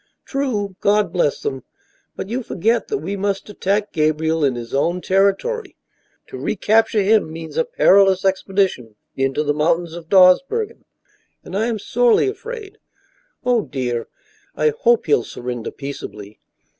"True, God bless them; but you forget that we must attack Gabriel in his own territory. To recapture him means a perilous expedition into the mountains of Dawsbergen, and I am sorely afraid. Oh, dear, I hope he'll surrender peaceably!"